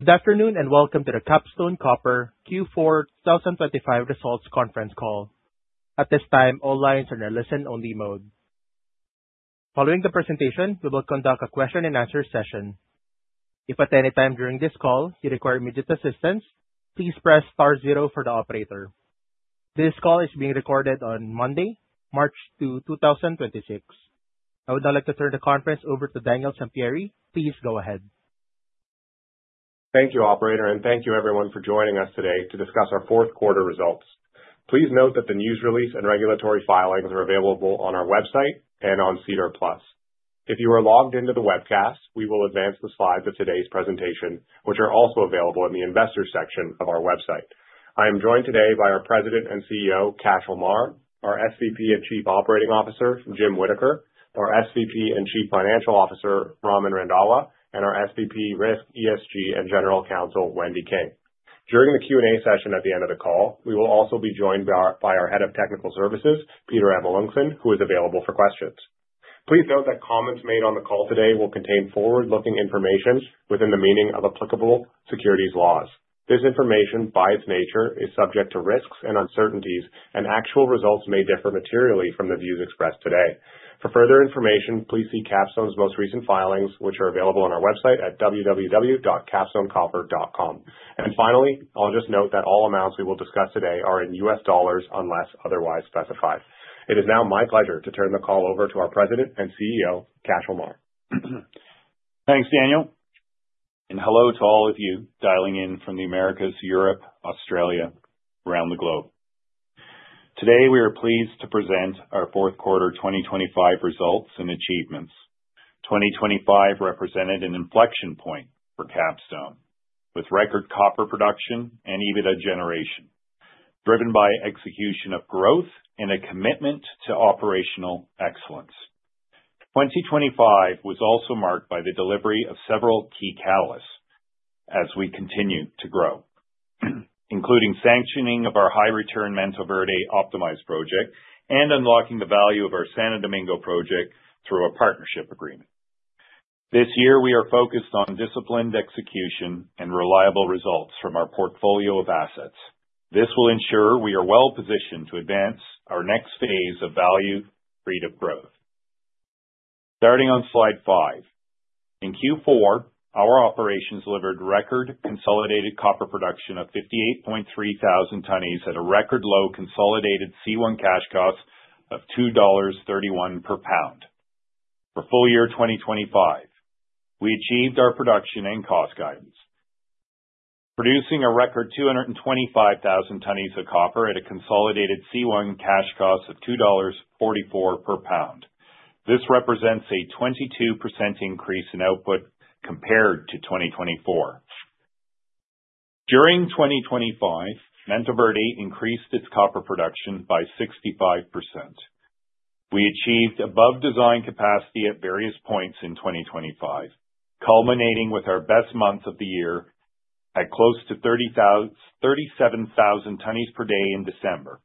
Good afternoon, and welcome to the Capstone Copper Q4 2025 Results Conference Call. At this time, all lines are in a listen-only mode. Following the presentation, we will conduct a question-and-answer session. If at any time during this call you require immediate assistance, please press star zero for the operator. This call is being recorded on Monday, March 2, 2026. I would now like to turn the conference over to Daniel Sampieri. Please go ahead. Thank you, operator. Thank you everyone for joining us today to discuss our Fourth Quarter Results. Please note that the news release and regulatory filings are available on our website and on SEDAR+. If you are logged into the webcast, we will advance the slides of today's presentation, which are also available in the investors section of our website. I am joined today by our President and CEO, Cashel Meagher, our SVP and Chief Operating Officer, Jim Whittaker, our SVP and Chief Financial Officer, Raman Randhawa, and our SVP, Risk, ESG, and General Counsel, Wendy King. During the Q&A session at the end of the call, we will also be joined by our Head of Technical Services, Peter Amelunxen, who is available for questions. Please note that comments made on the call today will contain forward-looking information within the meaning of applicable securities laws. This information, by its nature, is subject to risks and uncertainties, and actual results may differ materially from the views expressed today. For further information, please see Capstone Copper's most recent filings, which are available on our website at www.capstonecopper.com. Finally, I'll just note that all amounts we will discuss today are in U.S. dollars unless otherwise specified. It is now my pleasure to turn the call over to our President and CEO, Cashel Meagher. Thanks, Daniel, and hello to all of you dialing in from the Americas, Europe, Australia, around the globe. Today, we are pleased to present our fourth quarter 2025 results and achievements. 2025 represented an inflection point for Capstone, with record copper production and EBITDA generation, driven by execution of growth and a commitment to operational excellence. 2025 was also marked by the delivery of several key catalysts as we continue to grow, including sanctioning of our high-return Mantoverde Optimized project and unlocking the value of the Santo Domingo project through a partnership agreement. This year, we are focused on disciplined execution and reliable results from our portfolio of assets. This will ensure we are well-positioned to advance our next phase of value freedom growth. Starting on slide five. In Q4, our operations delivered record consolidated copper production of 58.3 thousand tonnes at a record low consolidated C1 cash cost of $2.31 per pound. For full year 2025, we achieved our production and cost guidance, producing a record 225,000 tonnes of copper at a consolidated C1 cash cost of $2.44 per pound. This represents a 22% increase in output compared to 2024. During 2025, Mantoverde increased its copper production by 65%. We achieved above design capacity at various points in 2025, culminating with our best month of the year at close to 37,000 tonnes per day in December.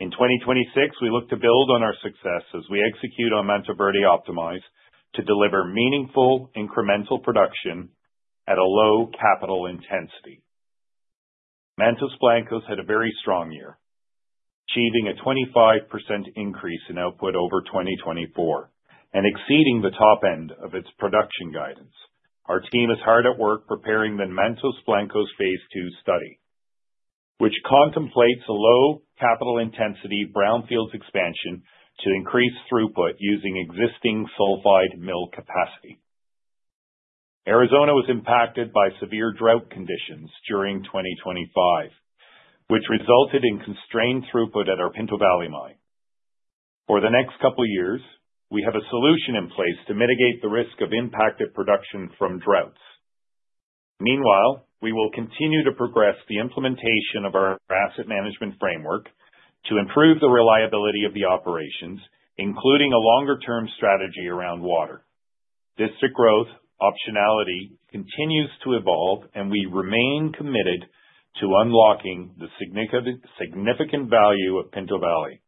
In 2026, we look to build on our success as we execute on Mantoverde Optimized to deliver meaningful incremental production at a low capital intensity. Mantos Blancos had a very strong year, achieving a 25% increase in output over 2024 and exceeding the top end of its production guidance. Our team is hard at work preparing the Mantos Blancos Phase II study, which contemplates a low capital intensity brownfields expansion to increase throughput using existing sulfide mill capacity. Arizona was impacted by severe drought conditions during 2025, which resulted in constrained throughput at our Pinto Valley mine. For the next couple years, we have a solution in place to mitigate the risk of impacted production from droughts. We will continue to progress the implementation of our asset management framework to improve the reliability of the operations, including a longer-term strategy around water. District growth optionality continues to evolve, and we remain committed to unlocking the significant value of Pinto Valley,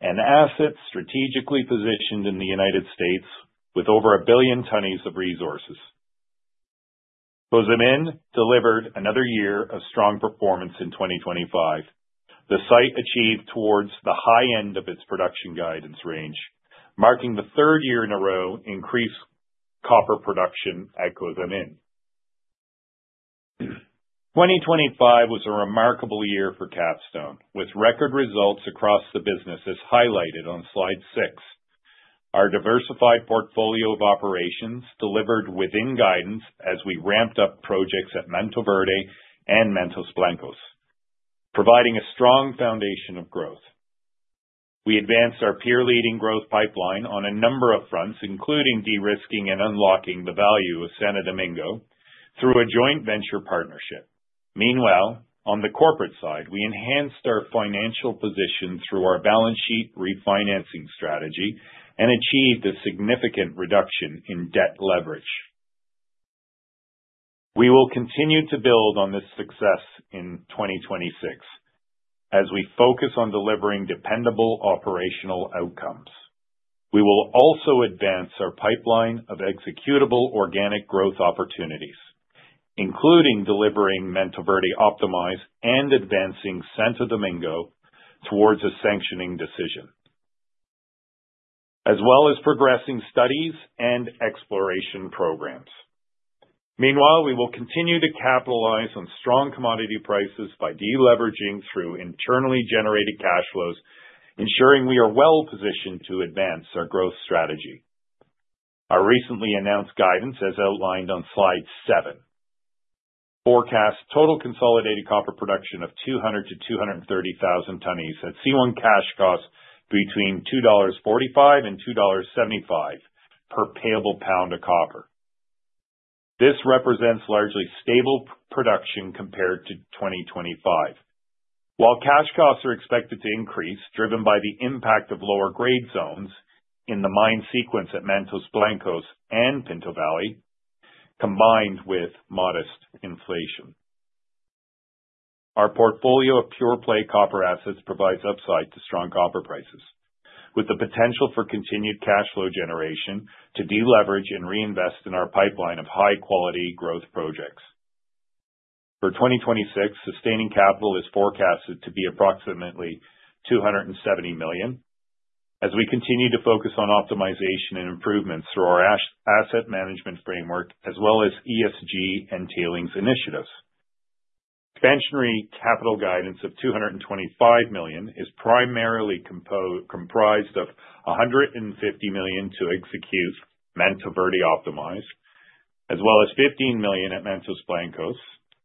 an asset strategically positioned in the United States with over a billion tonnes of resources. Cozamin delivered another year of strong performance in 2025. The site achieved towards the high end of its production guidance range, marking the third year in a row increased copper production at Cozamin. 2025 was a remarkable year for Capstone, with record results across the business as highlighted on slide six. Our diversified portfolio of operations delivered within guidance as we ramped up projects at Mantoverde and Mantos Blancos, providing a strong foundation of growth. We advanced our peer-leading growth pipeline on a number of fronts, including de-risking and unlocking the value of Santo Domingo through a joint venture partnership. Meanwhile, on the corporate side, we enhanced our financial position through our balance sheet refinancing strategy and achieved a significant reduction in debt leverage. We will continue to build on this success in 2026. As we focus on delivering dependable operational outcomes, we will also advance our pipeline of executable organic growth opportunities, including delivering Mantoverde Optimized and advancing Santo Domingo towards a sanctioning decision, as well as progressing studies and exploration programs. Meanwhile, we will continue to capitalize on strong commodity prices by deleveraging through internally generated cash flows, ensuring we are well positioned to advance our growth strategy. Our recently announced guidance, as outlined on slide seven, forecasts total consolidated copper production of 200,000 to 230,000 tonnes at C1 cash costs between $2.45 and $2.75 per payable pound of copper. This represents largely stable production compared to 2025, while cash costs are expected to increase, driven by the impact of lower grade zones in the mine sequence at Mantos Blancos and Pinto Valley, combined with modest inflation. Our portfolio of pure play copper assets provides upside to strong copper prices, with the potential for continued cash flow generation to deleverage and reinvest in our pipeline of high quality growth projects. For 2026, sustaining capital is forecasted to be approximately $270 million. We continue to focus on optimization and improvements through our asset management framework as well as ESG and tailings initiatives. Expansionary capital guidance of $225 million is primarily comprised of $150 million to execute Mantoverde Optimized, as well as $15 million at Mantos Blancos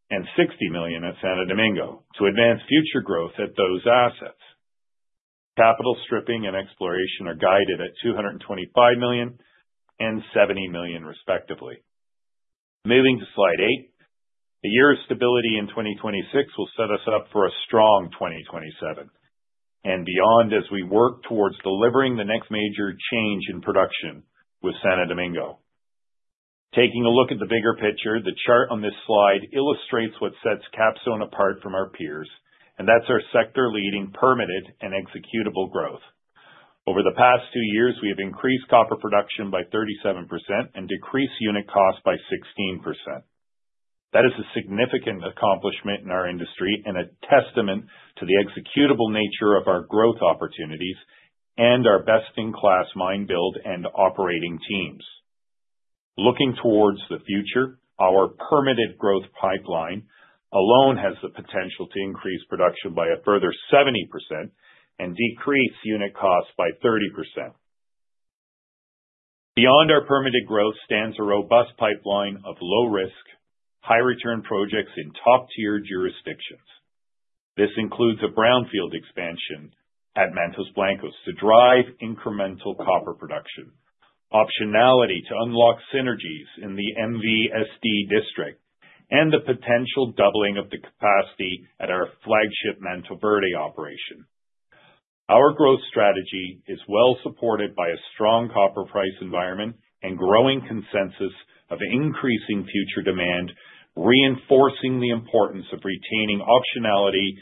and $60 million at Santo Domingo to advance future growth at those assets. Capital stripping and exploration are guided at $225 million and $70 million respectively. Moving to slide eight. A year of stability in 2026 will set us up for a strong 2027 and beyond as we work towards delivering the next major change in production with Santo Domingo. Taking a look at the bigger picture, the chart on this slide illustrates what sets Capstone apart from our peers, and that's our sector-leading permitted and executable growth. Over the past 2 years, we have increased copper production by 37% and decreased unit cost by 16%. That is a significant accomplishment in our industry and a testament to the executable nature of our growth opportunities and our best-in-class mine build and operating teams. Looking towards the future, our permitted growth pipeline alone has the potential to increase production by a further 70% and decrease unit costs by 30%. Beyond our permitted growth stands a robust pipeline of low risk, high return projects in top tier jurisdictions. This includes a brownfield expansion at Mantos Blancos to drive incremental copper production, optionality to unlock synergies in the MV/SD district, and the potential doubling of the capacity at our flagship Mantoverde operation. Our growth strategy is well supported by a strong copper price environment and growing consensus of increasing future demand, reinforcing the importance of retaining optionality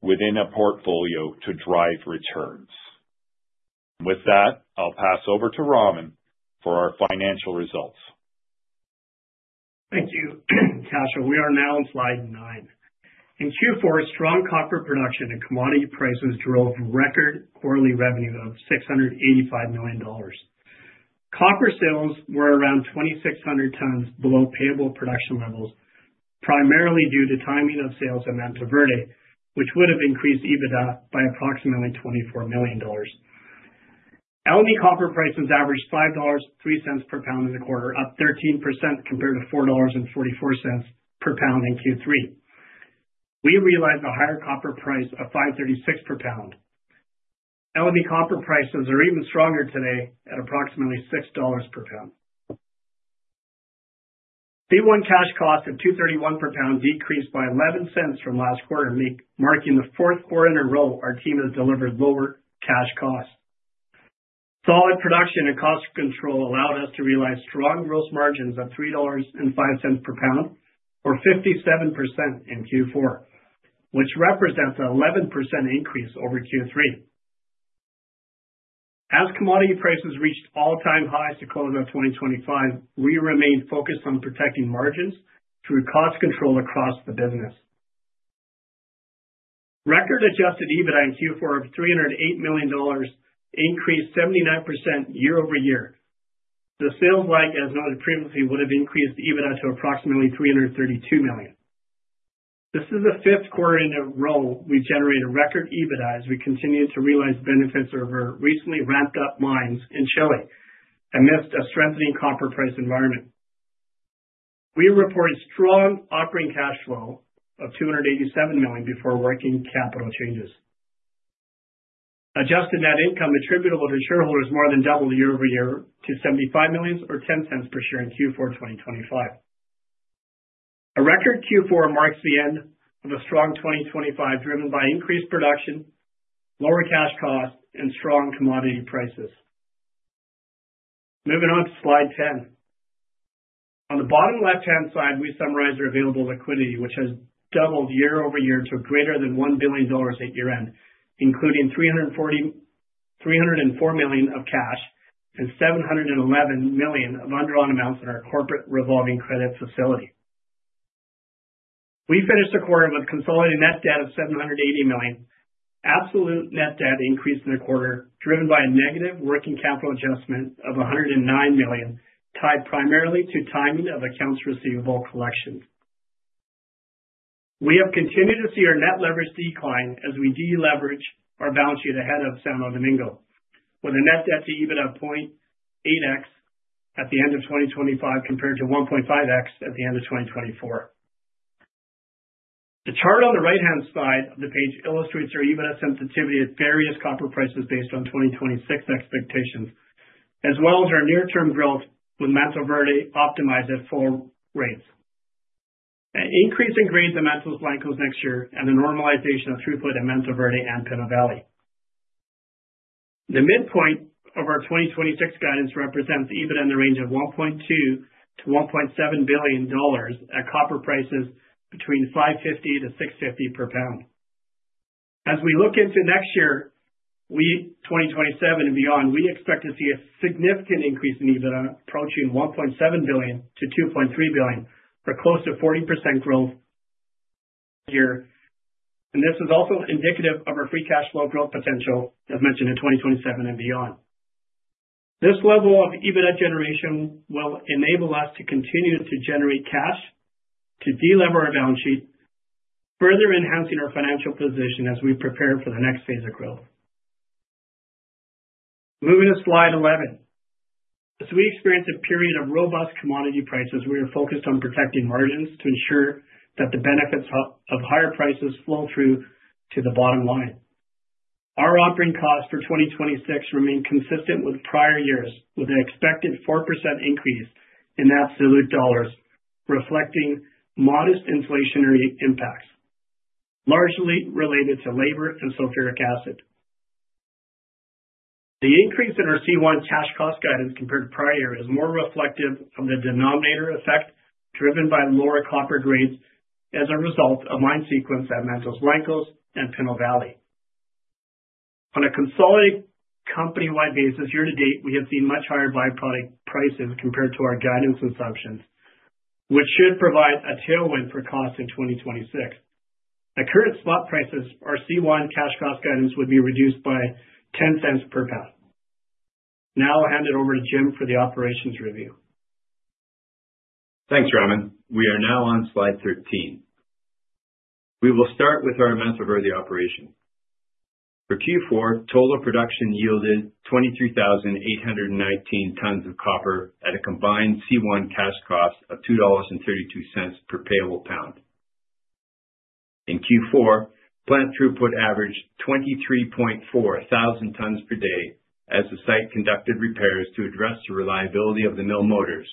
within a portfolio to drive returns. With that, I'll pass over to Raman for our financial results. Thank you, Cashel. We are now on slide nine. In Q4, strong copper production and commodity prices drove record quarterly revenue of $685 million. Copper sales were around 2,600 tons below payable production levels, primarily due to timing of sales in Mantoverde, which would have increased EBITDA by approximately $24 million. LME copper prices averaged $5.03 per pound in the quarter, up 13% compared to $4.44 per pound in Q3. We realized a higher copper price of $5.36 per pound. LME copper prices are even stronger today at approximately $6 per pound. C1 cash cost of $2.31 per pound decreased by $0.11 from last quarter, marking the fourth quarter in a row our team has delivered lower cash costs. Solid production and cost control allowed us to realize strong gross margins of $3.05 per pound, or 57% in Q4, which represents an 11% increase over Q3. As commodity prices reached all-time highs to close out 2025, we remained focused on protecting margins through cost control across the business. Record adjusted EBITDA in Q4 of $308 million increased 79% year-over-year. The sales leg, as noted previously, would have increased EBITDA to approximately $332 million. This is the fifth quarter in a row we've generated record EBITDA as we continue to realize benefits of our recently ramped-up mines in Chile amidst a strengthening copper price environment. We reported strong operating cash flow of $287 million before working capital changes. Adjusted net income attributable to shareholders more than doubled year-over-year to $75 million or $0.10 per share in Q4 2025. A record Q4 marks the end of a strong 2025, driven by increased production, lower cash costs, and strong commodity prices. Moving on to slide 10. On the bottom left-hand side, we summarize our available liquidity, which has doubled year-over-year to greater than $1 billion at year-end, including $304 million of cash and $711 million of undrawn amounts in our corporate revolving credit facility. We finished the quarter with consolidated net debt of $780 million. Absolute net debt increased in the quarter, driven by a negative working capital adjustment of $109 million, tied primarily to timing of accounts receivable collections. We have continued to see our net leverage decline as we deleverage our balance sheet ahead of Santo Domingo with a net debt to EBIT of 0.8x at the end of 2025 compared to 1.5x at the end of 2024. The chart on the right-hand side of the page illustrates our EBITDA sensitivity at various copper prices based on 2026 expectations, as well as our near-term growth with Mantoverde Optimized at full rates. An increase in grades at Mantos Blancos next year and the normalization of throughput at Mantoverde and Pinto Valley. The midpoint of our 2026 guidance represents EBITDA in the range of $1.2 billion to $1.7 billion at copper prices between $5.50-$6.50 per pound. As we look into next year, we 2027 and beyond, we expect to see a significant increase in EBITDA approaching $1.7 billion to $2.3 billion or close to 40% growth year. This is also indicative of our free cash flow growth potential, as mentioned in 2027 and beyond. This level of EBITDA generation will enable us to continue to generate cash to delever our balance sheet, further enhancing our financial position as we prepare for the next phase of growth. Moving to slide 11. As we experience a period of robust commodity prices, we are focused on protecting margins to ensure that the benefits of higher prices flow through to the bottom line. Our operating costs for 2026 remain consistent with prior years, with an expected 4% increase in absolute dollars, reflecting modest inflationary impacts largely related to labor and sulfuric acid. The increase in our C1 cash cost guidance compared to prior year is more reflective from the denominator effect driven by lower copper grades as a result of mine sequence at Mantos Blancos and Pinto Valley. On a consolidated company-wide basis, year to date, we have seen much higher byproduct prices compared to our guidance assumptions, which should provide a tailwind for costs in 2026. At current spot prices, our C1 cash cost guidance would be reduced by $0.10 per pound. Now I'll hand it over to Jim for the operations review. Thanks, Raman. We are now on slide 13. We will start with our Mantoverde operation. For Q4, total production yielded 23,819 tons of copper at a combined C1 cash cost of $2.32 per payable pound. In Q4, plant throughput averaged 23.4 thousand tons per day as the site conducted repairs to address the reliability of the mill motors,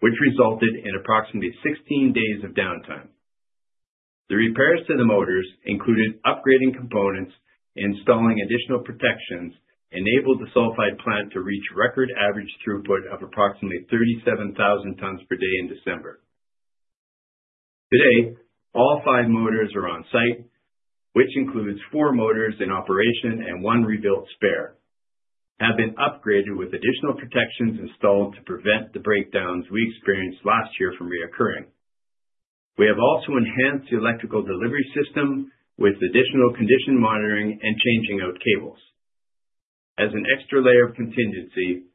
which resulted in approximately 16 days of downtime. The repairs to the motors included upgrading components, installing additional protections, enabled the sulfide plant to reach record average throughput of approximately 37 thousand tons per day in December. Today, all five motors are on site, which includes four motors in operation and one rebuilt spare, have been upgraded with additional protections installed to prevent the breakdowns we experienced last year from reoccurring. We have also enhanced the electrical delivery system with additional condition monitoring and changing out cables. As an extra layer of contingency,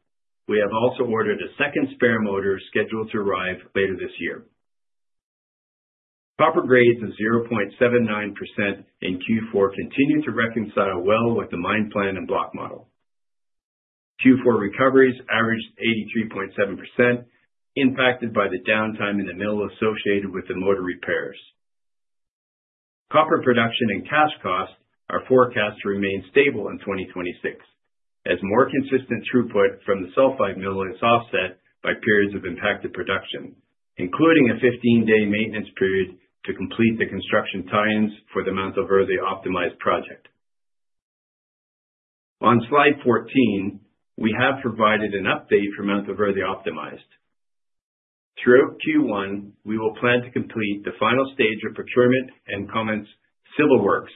we have also ordered a second spare motor scheduled to arrive later this year. Copper grades of 0.79% in Q4 continue to reconcile well with the mine plan and block model. Q4 recoveries averaged 83.7%, impacted by the downtime in the mill associated with the motor repairs. Copper production and cash costs are forecast to remain stable in 2026 as more consistent throughput from the sulfide mill is offset by periods of impacted production, including a 15-day maintenance period to complete the construction tie-ins for the Mantoverde Optimized project. On slide 14, we have provided an update for Mantoverde Optimized. Throughout Q1, we will plan to complete the final stage of procurement and commence civil works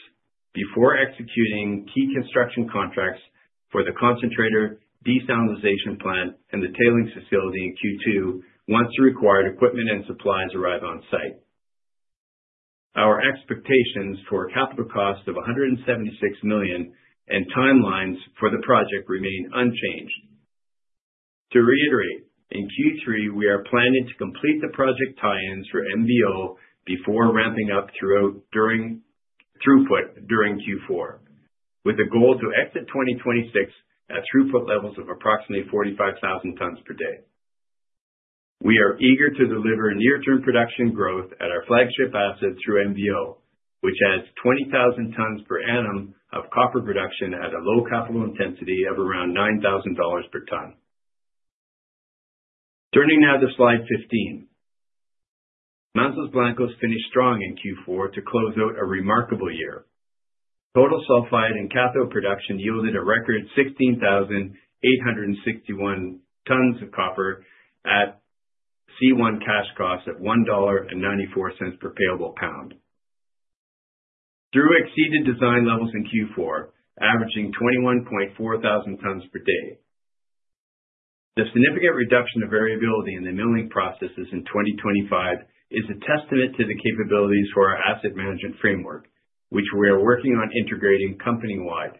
before executing key construction contracts for the concentrator desalination plant and the tailings facility in Q2, once the required equipment and supplies arrive on site. Our expectations for capital costs of $176 million and timelines for the project remain unchanged. To reiterate, in Q3 we are planning to complete the project tie-ins for MVO before ramping up throughput during Q4, with a goal to exit 2026 at throughput levels of approximately 45,000 tons per day. We are eager to deliver near-term production growth at our flagship asset through MVO, which adds 20,000 tons per annum of copper production at a low capital intensity of around $9,000 per ton. Turning now to slide 15. Mantos Blancos finished strong in Q4 to close out a remarkable year. Total sulfide and cathode production yielded a record 16,861 tons of copper at C1 cash costs of $1.94 per payable pound. Thru exceeded design levels in Q4, averaging 21.4 thousand tons per day. The significant reduction of variability in the milling processes in 2025 is a testament to the capabilities for our asset management framework, which we are working on integrating company-wide.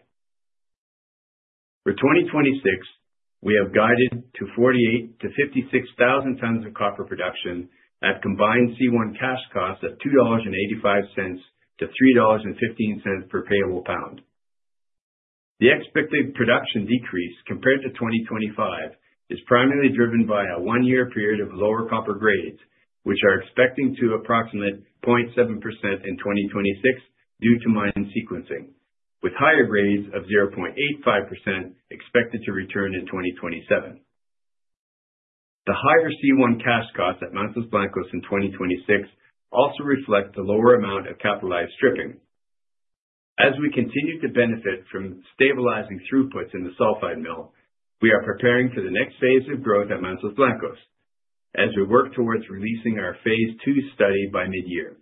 For 2026, we have guided to 48-56 thousand tons of copper production at combined C1 cash costs at $2.85-$3.15 per payable pound. The expected production decrease compared to 2025 is primarily driven by a 1-year period of lower copper grades, which are expecting to approximate 0.7% in 2026 due to mining sequencing, with higher grades of 0.85% expected to return in 2027. The higher C1 cash costs at Mantos Blancos in 2026 also reflect the lower amount of capitalized stripping. As we continue to benefit from stabilizing throughputs in the sulfide mill, we are preparing for the next phase of growth at Mantos Blancos as we work towards releasing our phase II study by mid-year.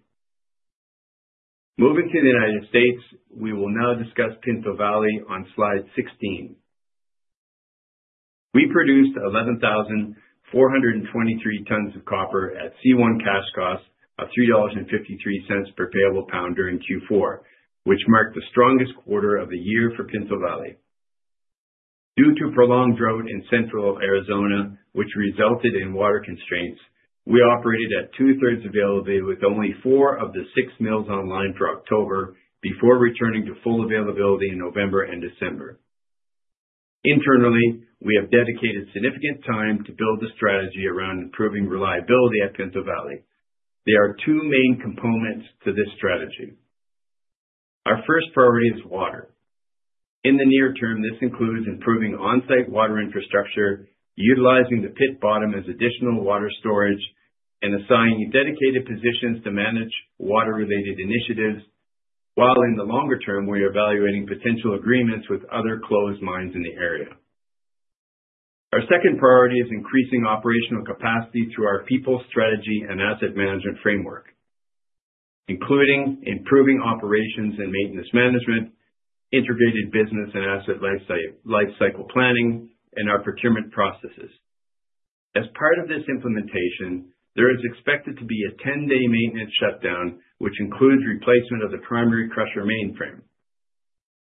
Moving to the United States, we will now discuss Pinto Valley on slide 16. We produced 11,423 tons of copper at C1 cash costs of $3.53 per payable pound during Q4, which marked the strongest quarter of the year for Pinto Valley. Due to prolonged drought in central Arizona, which resulted in water constraints, we operated at two-thirds availability with only four of the six mills online for October before returning to full availability in November and December. Internally, we have dedicated significant time to build the strategy around improving reliability at Pinto Valley. There are two main components to this strategy. Our first priority is water. In the near term, this includes improving on-site water infrastructure, utilizing the pit bottom as additional water storage, and assigning dedicated positions to manage water-related initiatives. While in the longer term, we are evaluating potential agreements with other closed mines in the area. Our second priority is increasing operational capacity through our people strategy and asset management framework, including improving operations and maintenance management, integrated business and asset life cycle planning, and our procurement processes. As part of this implementation, there is expected to be a 10-day maintenance shutdown, which includes replacement of the primary crusher mainframe.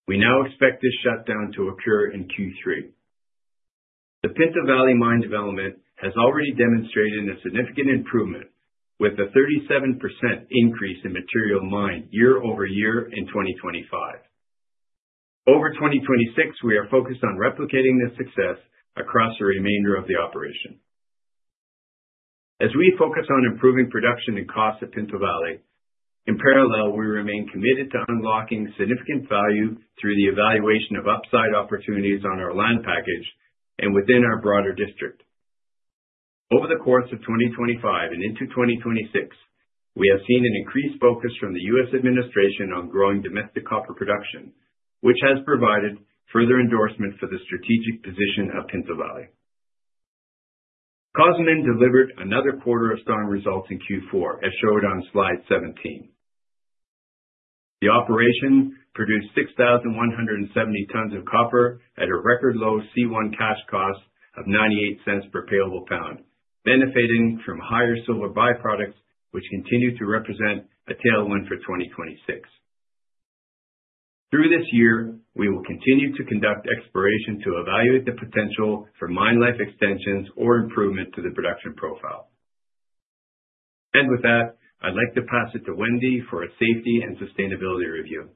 We now expect this shutdown to occur in Q3. The Pinto Valley Mine development has already demonstrated a significant improvement with a 37% increase in material mined year-over-year in 2025. In 2026, we are focused on replicating this success across the remainder of the operation. As we focus on improving production and cost at Pinto Valley, in parallel, we remain committed to unlocking significant value through the evaluation of upside opportunities on our land package and within our broader district. Over the course of 2025 and into 2026, we have seen an increased focus from the U.S. administration on growing domestic copper production, which has provided further endorsement for the strategic position of Pinto Valley. Cozamin delivered another quarter of strong results in Q4, as showed on slide 17. The operation produced 6,170 tons of copper at a record low C1 cash cost of $0.98 per payable pound, benefiting from higher silver by-products, which continue to represent a tailwind for 2026. Through this year, we will continue to conduct exploration to evaluate the potential for mine life extensions or improvement to the production profile. With that, I'd like to pass it to Wendy for a safety and sustainability review.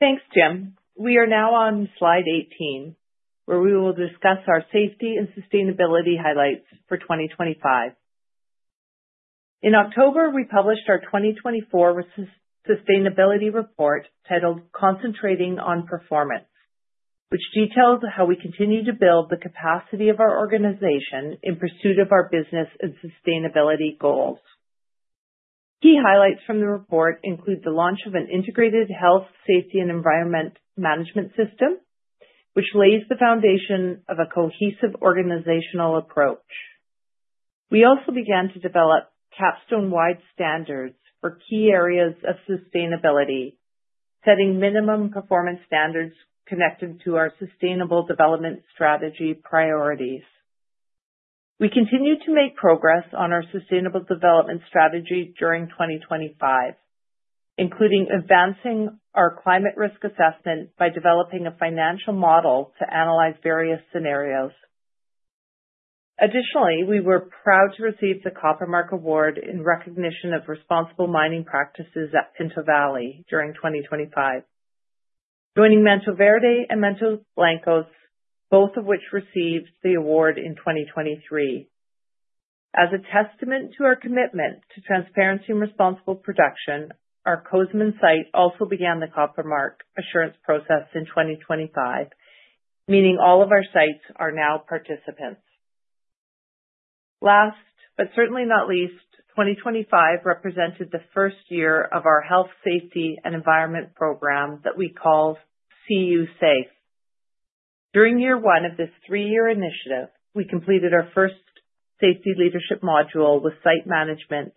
Thanks, Jim. We are now on slide 18, where we will discuss our safety and sustainability highlights for 2025. In October, we published our 2024 sustainability report titled Concentrating on Performance, which details how we continue to build the capacity of our organization in pursuit of our business and sustainability goals. Key highlights from the report include the launch of an integrated health, safety, and environment management system, which lays the foundation of a cohesive organizational approach. We also began to develop Capstone-wide standards for key areas of sustainability, setting minimum performance standards connected to our sustainable development strategy priorities. We continued to make progress on our sustainable development strategy during 2025, including advancing our climate risk assessment by developing a financial model to analyze various scenarios. Additionally, we were proud to receive The Copper Mark in recognition of responsible mining practices at Pinto Valley during 2025. Joining Mantoverde and Mantos Blancos, both of which received the award in 2023. As a testament to our commitment to transparency and responsible production, our Cozamin site also began The Copper Mark assurance process in 2025. Meaning all of our sites are now participants. Last, but certainly not least, 2025 represented the first year of our health, safety and environment program that we call CU Safe. During year one of this 3-year initiative, we completed our first safety leadership module with site management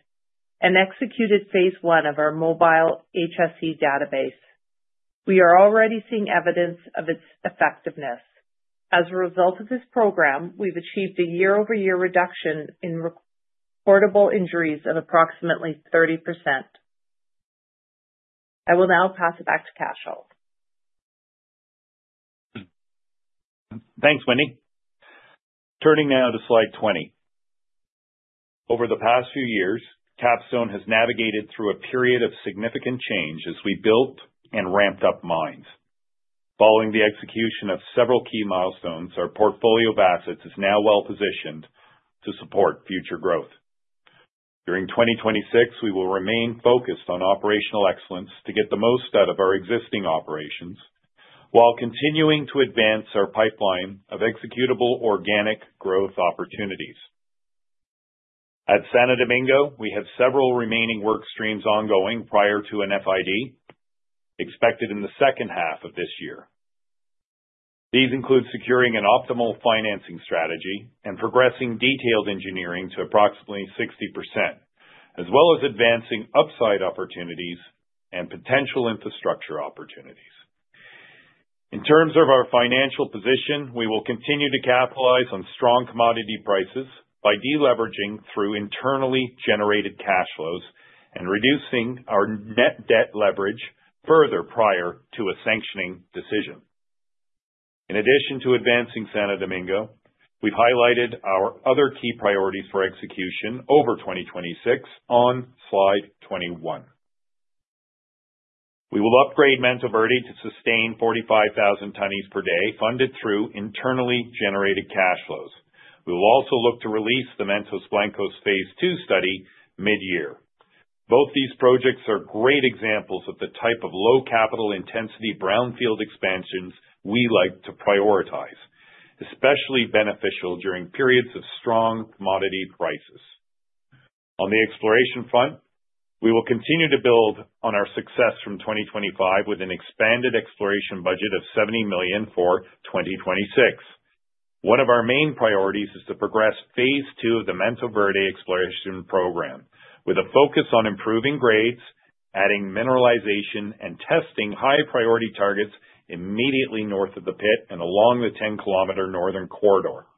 and executed phase I of our mobile HSE database. We are already seeing evidence of its effectiveness. As a result of this program, we've achieved a year-over-year reduction in reportable injuries of approximately 30%. I will now pass it back to Cashel. Thanks, Wendy. Turning now to slide 20. Over the past few years, Capstone has navigated through a period of significant change as we built and ramped up mines. Following the execution of several key milestones, our portfolio of assets is now well-positioned to support future growth. During 2026, we will remain focused on operational excellence to get the most out of our existing operations while continuing to advance our pipeline of executable organic growth opportunities. At Santo Domingo, we have several remaining work streams ongoing prior to an FID expected in the second half of this year. These include securing an optimal financing strategy and progressing detailed engineering to approximately 60%, as well as advancing upside opportunities and potential infrastructure opportunities. In terms of our financial position, we will continue to capitalize on strong commodity prices by deleveraging through internally generated cash flows and reducing our net debt leverage further prior to a sanctioning decision. In addition to advancing Santo Domingo, we've highlighted our other key priorities for execution over 2026 on slide 21. We will upgrade Mantoverde to sustain 45,000 tonnes per day, funded through internally generated cash flows. We will also look to release the Mantos Blancos Phase II study mid-year. Both these projects are great examples of the type of low capital intensity brownfield expansions we like to prioritize, especially beneficial during periods of strong commodity prices. On the exploration front, we will continue to build on our success from 2025 with an expanded exploration budget of $70 million for 2026. One of our main priorities is to progress phase II of the Mantoverde exploration program, with a focus on improving grades, adding mineralization, and testing high-priority targets immediately north of the pit and along the 10-kilometer northern corridor.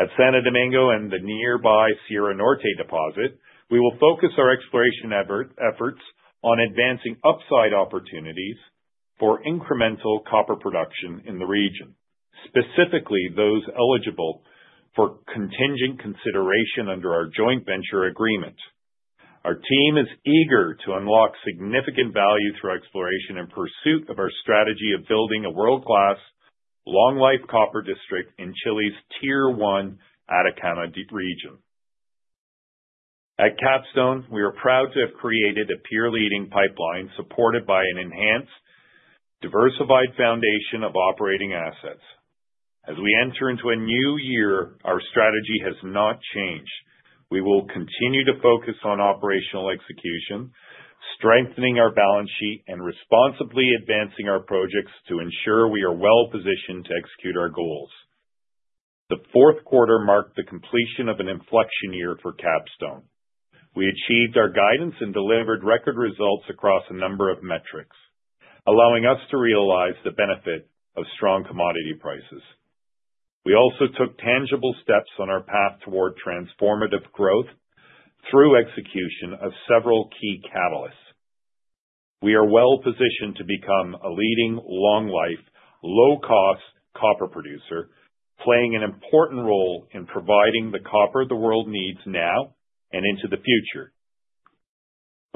At Santo Domingo and the nearby Sierra Norte deposit, we will focus our exploration efforts on advancing upside opportunities for incremental copper production in the region, specifically those eligible for contingent consideration under our joint venture agreement. Our team is eager to unlock significant value through exploration in pursuit of our strategy of building a world-class, long-life copper district in Chile's Tier 1 Atacama region. At Capstone, we are proud to have created a peer-leading pipeline supported by an enhanced, diversified foundation of operating assets. As we enter into a new year, our strategy has not changed. We will continue to focus on operational execution, strengthening our balance sheet, and responsibly advancing our projects to ensure we are well-positioned to execute our goals. The fourth quarter marked the completion of an inflection year for Capstone. We achieved our guidance and delivered record results across a number of metrics, allowing us to realize the benefit of strong commodity prices. We also took tangible steps on our path toward transformative growth through execution of several key catalysts. We are well-positioned to become a leading long-life, low-cost copper producer, playing an important role in providing the copper the world needs now and into the future.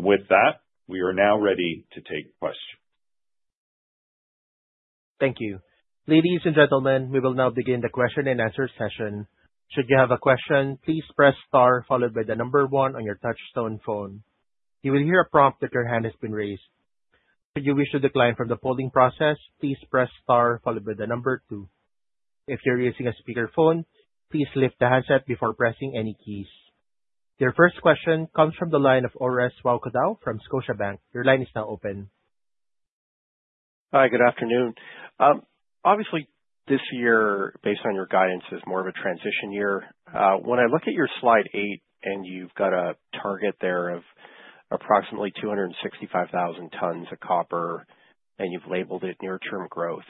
With that, we are now ready to take questions. Thank you. Ladies and gentlemen, we will now begin the question-and-answer session. Should you have a question, please press star followed by the number one on your touch tone phone. You will hear a prompt that your hand has been raised. Should you wish to decline from the polling process, please press star followed by the number two. If you're using a speakerphone, please lift the handset before pressing any keys. Your first question comes from the line of Orest Wowkodaw from Scotiabank. Your line is now open. Hi, good afternoon. Obviously this year, based on your guidance, is more of a transition year. When I look at your slide eight and you've got a target there of approximately 265,000 tons of copper, and you've labeled it near term growth,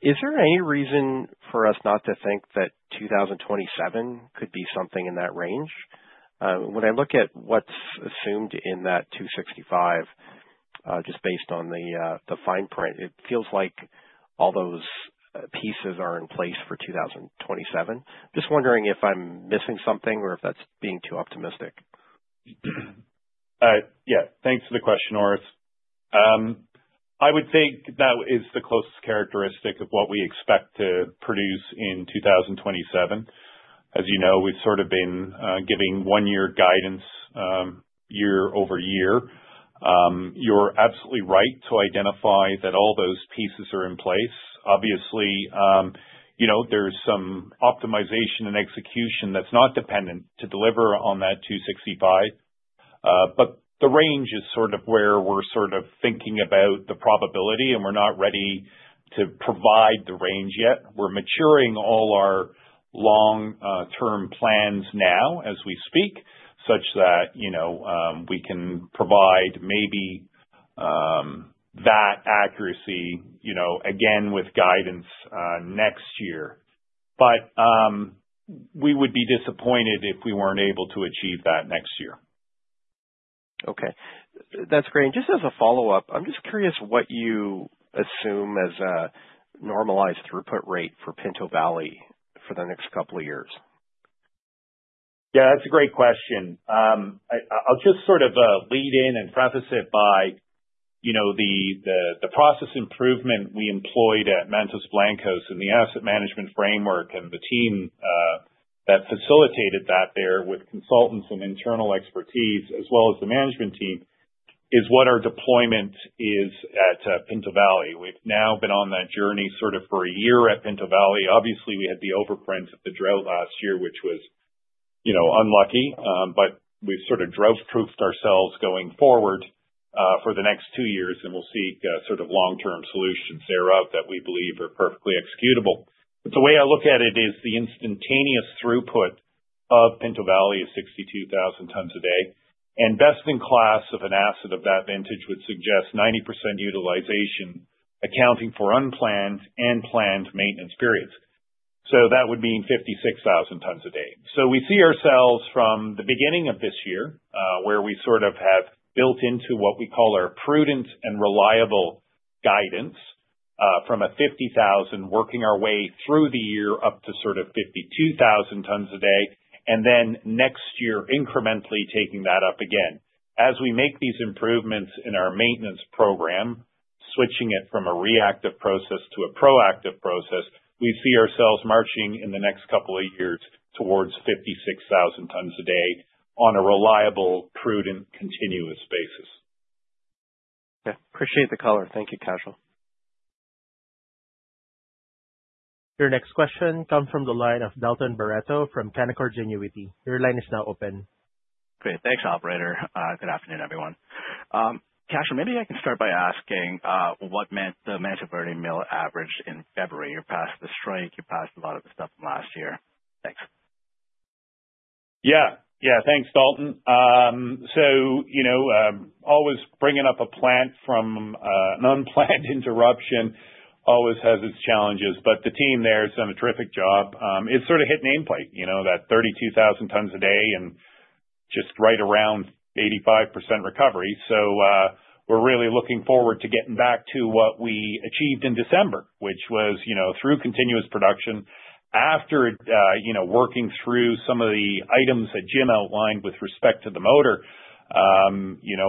is there any reason for us not to think that 2027 could be something in that range? When I look at what's assumed in that 265, just based on the fine print, it feels like all those pieces are in place for 2027. Just wondering if I'm missing something or if that's being too optimistic. Thanks for the question, Orest. I would think that is the closest characteristic of what we expect to produce in 2027. As you know, we've been giving 1-year guidance year over year. You're absolutely right to identify that all those pieces are in place. Obviously, there's some optimization and execution that's not dependent to deliver on that 265. The range is where we're sort of thinking about the probability, and we're not ready to provide the range yet. We're maturing all our long-term plans now as we speak, such that we can provide maybe that accuracy again, with guidance next year. We would be disappointed if we weren't able to achieve that next year. Okay. That's great. Just as a follow-up, I'm just curious what you assume as a normalized throughput rate for Pinto Valley for the next couple of years. That's a great question. I'll just sort of lead in and preface it by the process improvement we employed at Mantos Blancos and the asset management framework and the team that facilitated that there with consultants and internal expertise, as well as the management team, is what our deployment is at Pinto Valley. We've now been on that journey for a year at Pinto Valley. Obviously, we had the overprint of the drought last year, which was, you know, unlucky, but we've sort of drought-proofed ourselves going forward for the next two years, and we'll seek sort of long-term solutions thereof that we believe are perfectly executable. The way I look at it is the instantaneous throughput of Pinto Valley is 62,000 tons a day, and best in class of an asset of that vintage would suggest 90% utilization, accounting for unplanned and planned maintenance periods. That would mean 56,000 tons a day. We see ourselves from the beginning of this year, where we have built into what we call our prudent and reliable guidance, from 50,000 tons, working our way through the year up to 52,000 tons a day, and then next year incrementally taking that up again. As we make these improvements in our maintenance program, switching it from a reactive process to a proactive process, we see ourselves marching in the next couple of years towards 56,000 tons a day on a reliable, prudent, continuous basis. Appreciate the color. Thank you, Cashel. Your next question comes from the line of Dalton Baretto from Canaccord Genuity. Your line is now open. Great. Thanks, operator. Good afternoon, everyone. Cashel, maybe I can start by asking, what the Mantoverde mill averaged in February. You're past the strike. You're past a lot of the stuff from last year. Thanks. Thanks, Dalton. Always bringing up a plant from an unplanned interruption always has its challenges. The team there has done a terrific job. It hit nameplate that 32,000 tons a day and just right around 85% recovery. We're really looking forward to getting back to what we achieved in December, which was through continuous production after working through some of the items that Jim outlined with respect to the motor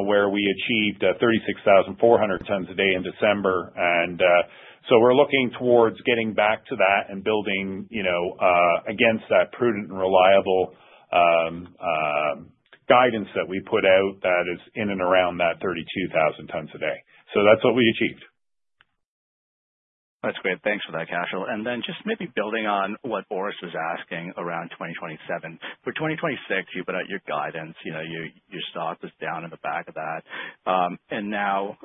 where we achieved 36,400 tons a day in December. We're looking towards getting back to that and building against that prudent and reliable guidance that we put out that is in and around that 32,000 tons a day. That's what we achieved. That's great. Thanks for that, Cashel. Just maybe building on what Orest was asking around 2027. For 2026, you put out your guidance, your stock was down in the back of that. Now,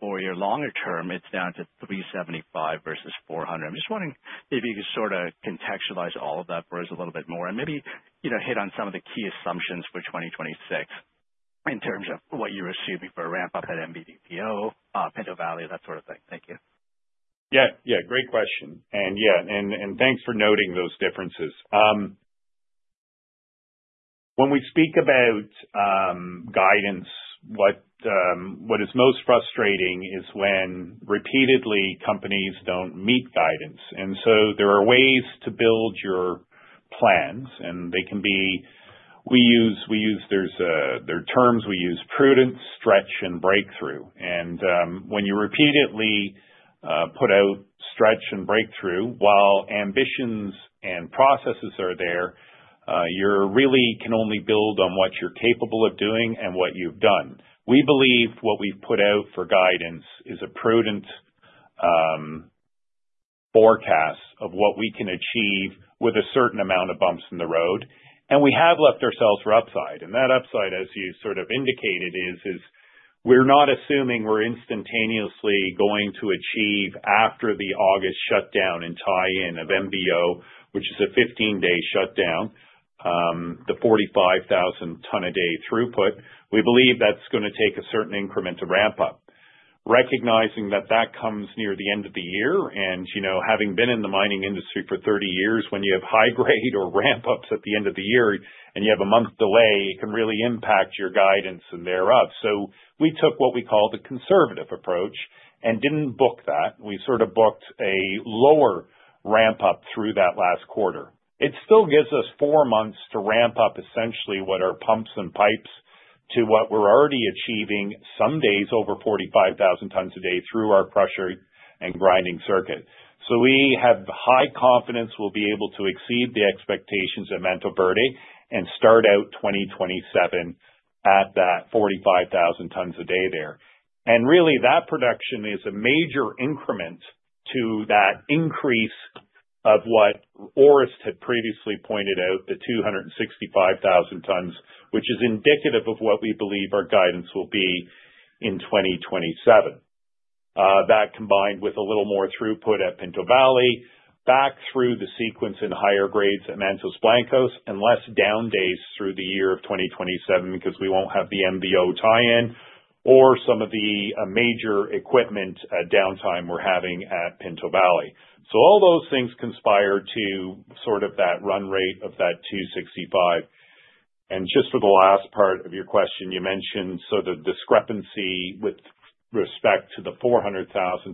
for your longer term, it's down to $3.75 versus $400. I'm just wondering if you could sort of contextualize all of that for us a little bit more and maybe, you know, hit on some of the key assumptions for 2026 in terms of what you're assuming for a ramp-up at MVO, Pinto Valley, that sort of thing. Thank you. Great question. Thanks for noting those differences. When we speak about guidance, what is most frustrating is when repeatedly companies don't meet guidance. There are ways to build your plans, and they can be. We use, there are terms we use, prudent, stretch, and breakthrough. When you repeatedly put out, stretch, and breakthrough, while ambitions and processes are there, you really can only build on what you're capable of doing and what you've done. We believe what we've put out for guidance is a prudent forecast of what we can achieve with a certain amount of bumps in the road. We have left ourselves for upside. That upside, as you sort of indicated, is we're not assuming we're instantaneously going to achieve after the August shutdown and tie in of MVO, which is a 15-day shutdown, the 45,000 ton a day throughput. We believe that's gonna take a certain increment to ramp up. Recognizing that that comes near the end of the year and, you know, having been in the mining industry for 30 years, when you have high grade or ramp ups at the end of the year and you have a month delay, it can really impact your guidance and thereof. We took what we call the conservative approach and didn't book that. We sort of booked a lower ramp up through that last quarter. It still gives us four months to ramp up essentially what our pumps and pipes to what we're already achieving some days over 45,000 tons a day through our pressure and grinding circuit. We have high confidence we'll be able to exceed the expectations at Mantoverde and start out 2027 at that 45,000 tons a day there. Really that production is a major increment to that increase of what Orest had previously pointed out, the 265,000 tons, which is indicative of what we believe our guidance will be in 2027. That combined with a little more throughput at Pinto Valley, back through the sequence in higher grades at Mantos Blancos and less down days through the year of 2027 because we won't have the MVO tie-in or some of the major equipment downtime we're having at Pinto Valley. All those things conspire to sort of that run rate of that 265. Just for the last part of your question, you mentioned, the discrepancy with respect to the 400,000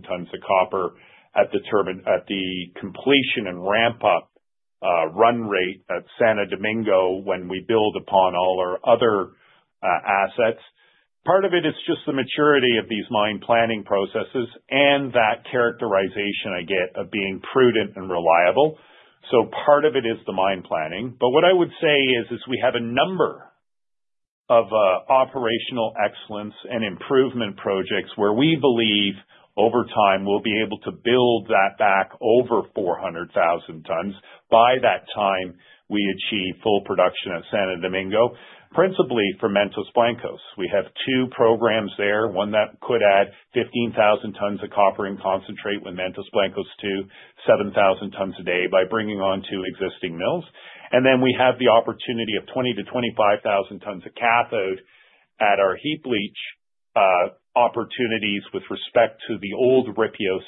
tons of copper at the completion and ramp up run rate at Santo Domingo when we build upon all our other assets. Part of it is just the maturity of these mine planning processes and that characterization I get of being prudent and reliable. Part of it is the mine planning. What I would say is we have a number of operational excellence and improvement projects where we believe over time, we'll be able to build that back over 400,000 tons. By that time, we achieve full production at Santo Domingo, principally for Mantos Blancos. We have two programs there, one that could add 15,000 tons of copper in concentrate with Mantos Blancos to 7,000 tons a day by bringing on two existing mills. We have the opportunity of 20,000-25,000 tons of cathode at our heap leach opportunities with respect to the old ripios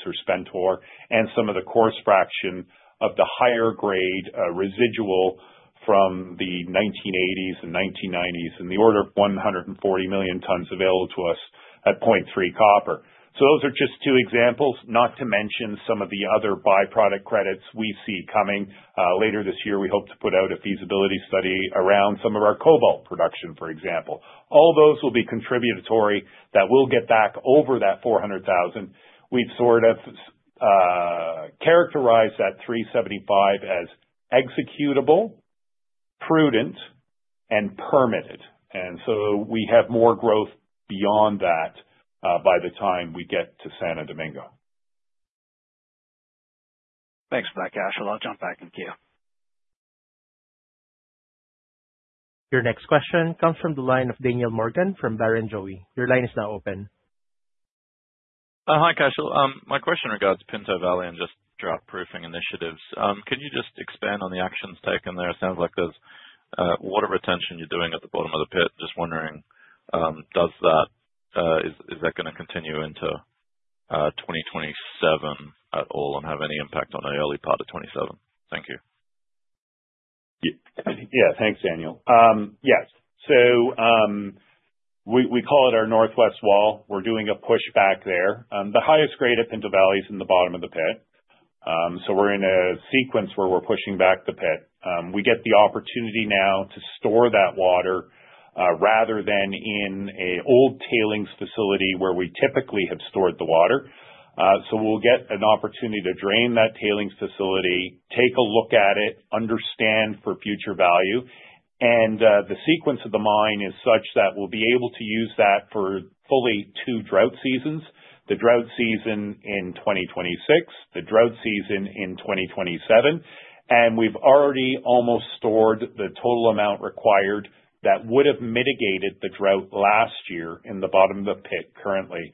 and some of the coarse fraction of the higher grade residual from the 1980s and 1990s in the order of 140 million tons available to us at 0.3 copper. Those are just two examples, not to mention some of the other byproduct credits we see coming. Later this year, we hope to put out a feasibility study around some of our cobalt production, for example. All those will be contributory that we'll get back over that 400,000. We'd sort of characterize that 375 as executable, prudent, and permitted. We have more growth beyond that by the time we get to Santo Domingo. Thanks for that, Cashel. I'll jump back in queue. Your next question comes from the line of Daniel Morgan from Barrenjoey. Your line is now open. Hi, Cashel. My question regards Pinto Valley and just drought-proofing initiatives. Can you just expand on the actions taken there? It sounds like there's water retention you're doing at the bottom of the pit. Just wondering, is that gonna continue into 2027 at all and have any impact on the early part of 2027? Thank you. Thanks, Daniel. Yes. We call it our northwest wall. We're doing a pushback there. The highest grade at Pinto Valley is in the bottom of the pit. We're in a sequence where we're pushing back the pit. We get the opportunity now to store that water, rather than in a old tailings facility where we typically have stored the water. We'll get an opportunity to drain that tailings facility, take a look at it, understand for future value. The sequence of the mine is such that we'll be able to use that for fully two drought seasons, the drought season in 2026, the drought season in 2027. We've already almost stored the total amount required that would have mitigated the drought last year in the bottom of the pit currently.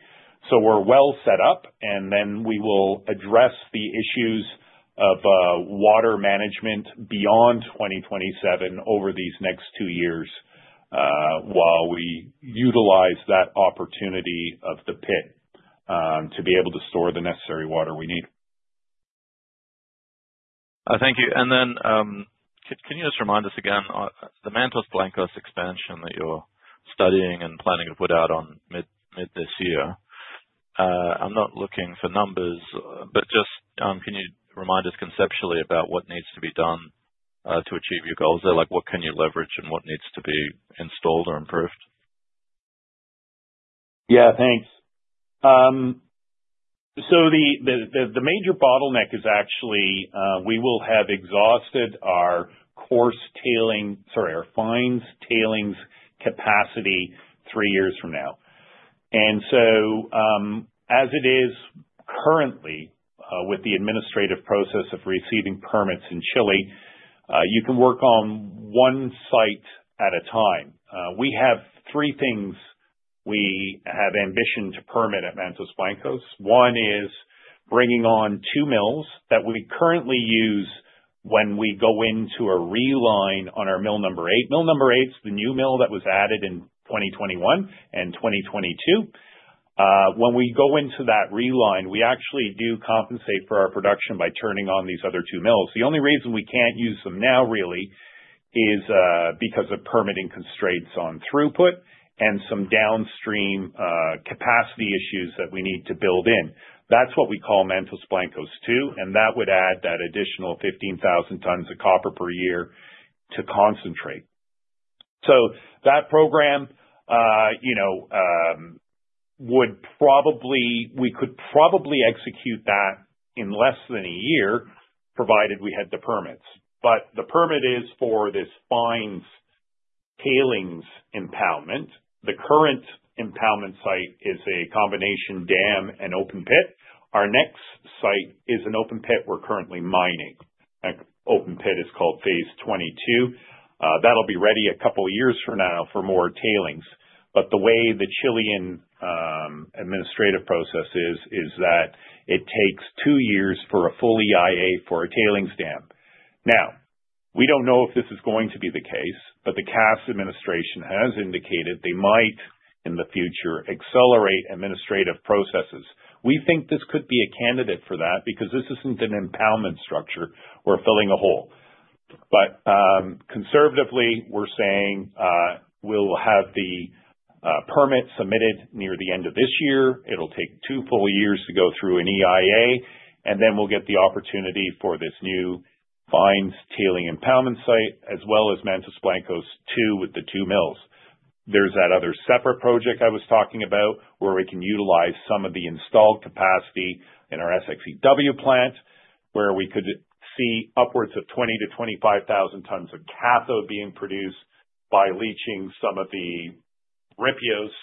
We're well set up, and then we will address the issues of water management beyond 2027 over these next two years, while we utilize that opportunity of the pit, to be able to store the necessary water we need. Thank you. Can you just remind us again, the Mantos Blancos expansion that you're studying and planning to put out on mid this year. I'm not looking for numbers, but just, can you remind us conceptually about what needs to be done, to achieve your goals there? What can you leverage and what needs to be installed or improved? Thanks. The major bottleneck is actually, we will have exhausted our fines tailings capacity three years from now. As it is currently, with the administrative process of receiving permits in Chile, you can work on one site at a time. We have three things we have ambition to permit at Mantos Blancos. One is bringing on two mills that we currently use when we go into a reline on our Mill #8. Mill #8's the new mill that was added in 2021 and 2022. When we go into that reline, we actually do compensate for our production by turning on these other two mills. The only reason we can't use them now, really, is because of permitting constraints on throughput and some downstream capacity issues that we need to build in. That's what we call Mantos Blancos Phase II, that would add that additional 15,000 tons of copper per year to concentrate. That program, you know, we could probably execute that in less than a year, provided we had the permits. The permit is for this fines tailings impoundment. The current impoundment site is a combination dam and open pit. Our next site is an open pit we're currently mining. That open pit is called Phase 22. That'll be ready a couple of years from now for more tailings. The way the Chilean administrative process is that it takes two years for a full EIA for a tailings dam. We don't know if this is going to be the case, but the CAS administration has indicated they might, in the future, accelerate administrative processes. We think this could be a candidate for that because this isn't an impoundment structure. We're filling a hole. Conservatively, we're saying we'll have the permit submitted near the end of this year. It'll take two full years to go through an EIA, and then we'll get the opportunity for this new fines tailing impoundment site, as well as Mantos Blancos II with the two mills. There's that other separate project I was talking about where we can utilize some of the installed capacity in our SX-EW plant, where we could see upwards of 20,000-25,000 tons of cathode being produced by leaching some of the ripios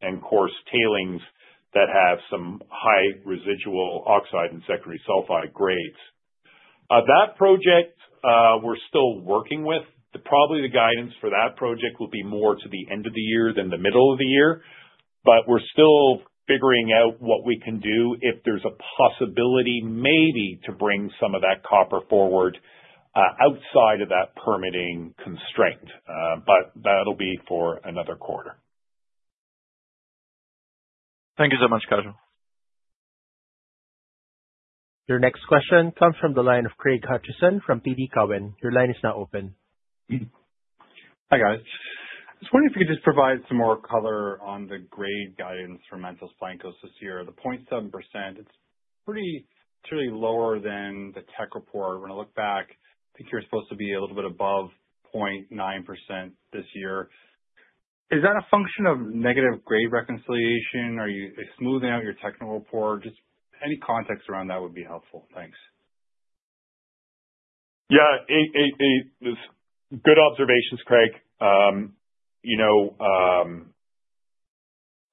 and coarse tailings that have some high residual oxide and secondary sulfide grades. That project, we're still working with. Probably the guidance for that project will be more to the end of the year than the middle of the year, but we're still figuring out what we can do if there's a possibility maybe to bring some of that copper forward, outside of that permitting constraint. That'll be for another quarter. Thank you so much, Cashel. Your next question comes from the line of Craig Hutchison from TD Cowen. Your line is now open. Hi, guys. I was wondering if you could just provide some more color on the grade guidance for Mantos Blancos this year. The 0.7%, it's pretty lower than the tech report. When I look back, I think you're supposed to be a little bit above 0.9% this year. Is that a function of negative grade reconciliation? Are you smoothing out your technical report? Just any context around that would be helpful. Thanks. Good observations, Craig. The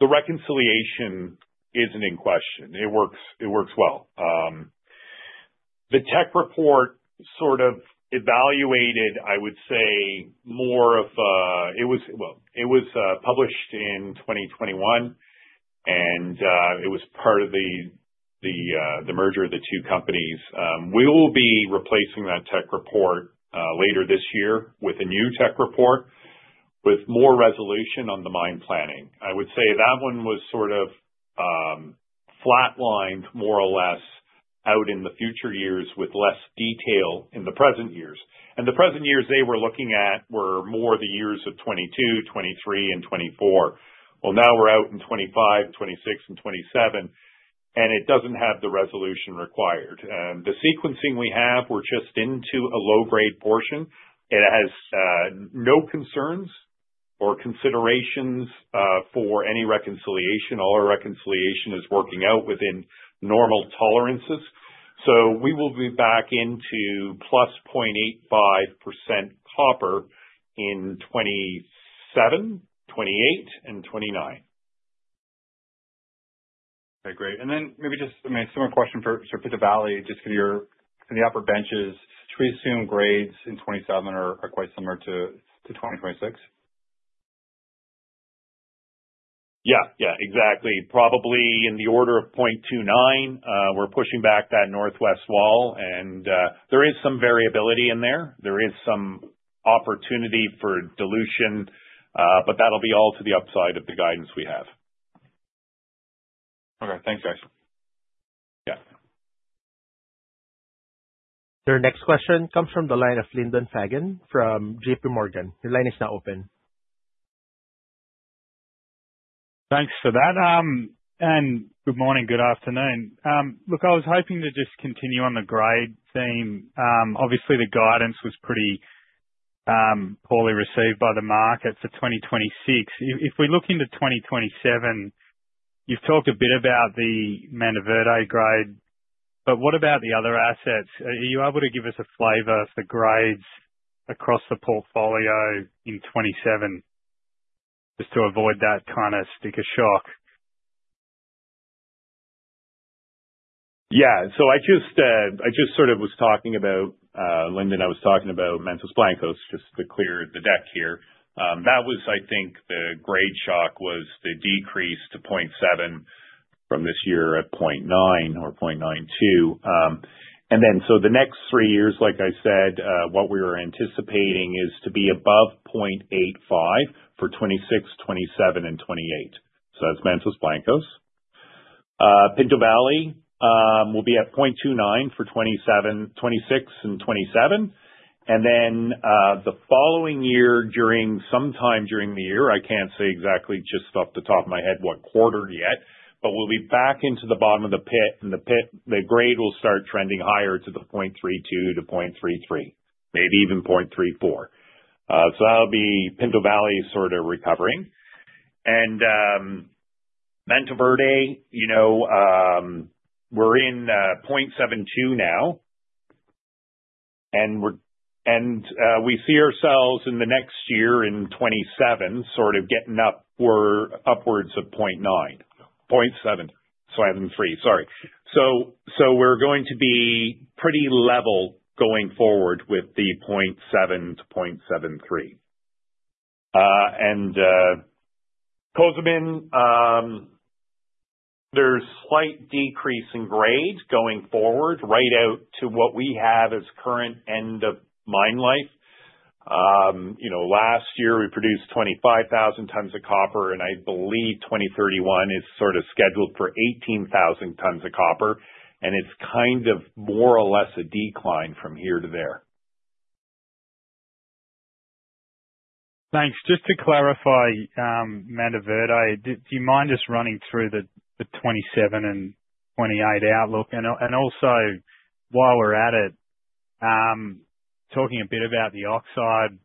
reconciliation isn't in question. It works well. The tech report evaluated. Well, it was published in 2021. It was part of the merger of the two companies. We will be replacing that tech report later this year with a new tech report with more resolution on the mine planning. I would say that one was flatlined more or less out in the future years with less detail in the present years. The present years they were looking at were more the years of 2022, 2023 and 2024. Well, now we're out in 2025, 2026 and 2027, and it doesn't have the resolution required. The sequencing we have, we're just into a low-grade portion. It has no concerns or considerations for any reconciliation. All our reconciliation is working out within normal tolerances. We will be back into +0.85% copper in 2027, 2028, and 2029. Okay, great. Maybe just, a similar question for Pinto Valley, just for the upper benches. Should we assume grades in 2027 are quite similar to 2026? Exactly. Probably in the order of 0.29%. We're pushing back that northwest wall and, there is some variability in there. There is some opportunity for dilution, but that'll be all to the upside of the guidance we have. Okay. Thanks, guys. Your next question comes from the line of Lyndon Fagan from JPMorgan. Your line is now open. Thanks for that, good morning, good afternoon. Look, I was hoping to just continue on the grade theme. Obviously the guidance was pretty poorly received by the market for 2026. If we look into 2027, you've talked a bit about the Mantoverde grade, what about the other assets? Are you able to give us a flavor of the grades across the portfolio in '27 just to avoid that kind of sticker shock? I just was talking about Lyndon, I was talking about Mantos Blancos just to clear the deck here. That was the grade shock was the decrease to 0.7% from this year at 0.9% or 0.92%. And then, the next three years, like I said, what we are anticipating is to be above 0.85% for 2026, 2027, and 2028. That's Mantos Blancos. Pinto Valley will be at 0.29% for 2027, 2026, and 2027. And then, the following year during, sometime during the year, I can't say exactly just off the top of my head what quarter yet, but we'll be back into the bottom of the pit. In the pit, the grade will start trending higher to the 0.32%-0.33%, maybe even 0.34%. That'll be Pinto Valley sort of recovering. Mantoverde we're in 0.72% now, and we see ourselves in the next year in 2027 sort of getting up, we're upwards of 0.73%, sorry. We're going to be pretty level going forward with the 0.7%-0.73%. Cozamin, there's slight decrease in grades going forward right out to what we have as current end of mine life. Last year, we produced 25,000 tons of copper. I believe 2031 is scheduled for 18,000 tons of copper. It's kind of more or less a decline from here to there. Thanks. Just to clarify, Mantoverde, do you mind just running through the 2027 and 2028 outlook? While we're at it, talking a bit about the oxide,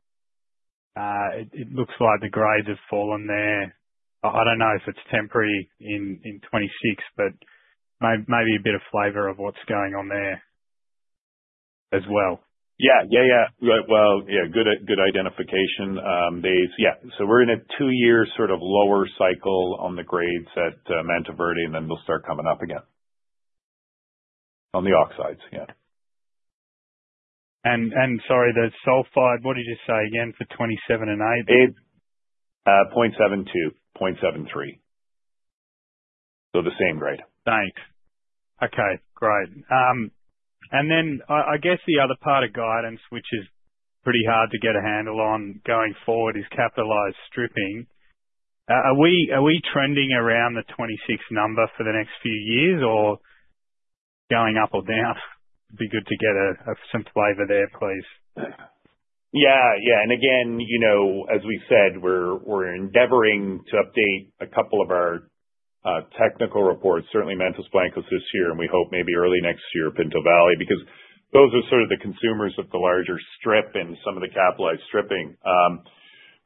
it looks like the grades have fallen there. I don't know if it's temporary in 2026, but a bit of flavor of what's going on there as well. Well, good identification. We're in a two-year lower cycle on the grades at Mantoverde, and then they'll start coming up again on the oxides. And sorry, the sulfide, what did you say again for '27 and '28? 0.72%, 0.73%. The same grade. Thanks. Okay, great. I guess the other part of guidance which is pretty hard to get a handle on going forward is capitalized stripping. Are we trending around the 26 number for the next few years or going up or down? It'd be good to get a sense flavor there, please. As we've said, we're endeavoring to update a couple of our technical reports, certainly Mantos Blancos this year, and we hope maybe early next year Pinto Valley, because those are sort of the consumers of the larger strip and some of the capitalized stripping.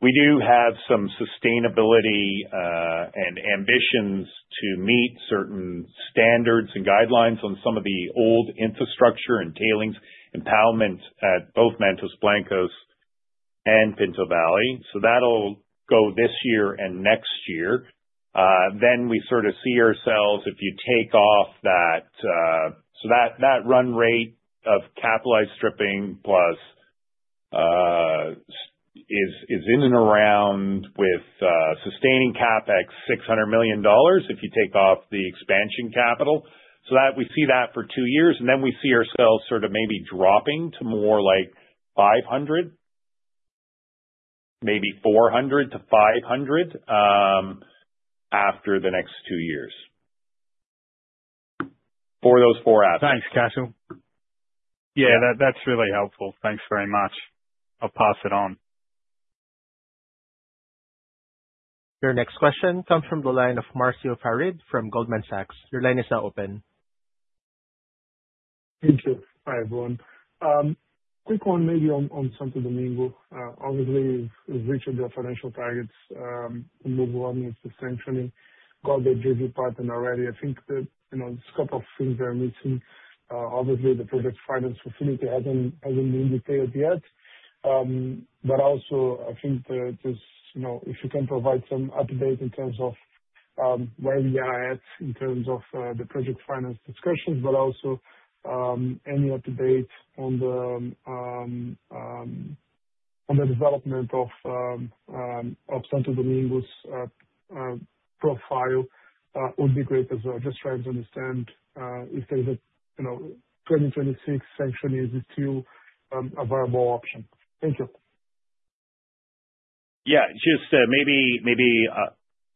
We do have some sustainability and ambitions to meet certain standards and guidelines on some of the old infrastructure and tailings impoundment at both Mantos Blancos and Pinto Valley. That'll go this year and next year. We sort of see ourselves, if you take off that, So that run rate of capitalized stripping plus, is in and around with sustaining CapEx $600 million if you take off the expansion capital. We see that for two years, we see ourselves maybe dropping to more like $500 million, maybe $400 million to $500 million after the next two years. For those four assets. Thanks, Cashel. That's really helpful. Thanks very much. I'll pass it on. Your next question comes from the line of Marcio Farid from Goldman Sachs. Your line is now open. Thank you. Hi, everyone. Quick one maybe on Santo Domingo. Obviously, you've reached your financial targets to move on with the sanctioning. Got the JV partner already. The scope of things are missing. Obviously, the project's finance facility hasn't been detailed yet. Also I think that just, you know, if you can provide some update in terms of where we are at in terms of the project finance discussions, but also any updates on the on the development of Santo Domingo's profile would be great as well. Just trying to understand if there's a, you know, 2026 sanction, is it still a viable option? Thank you. Just maybe,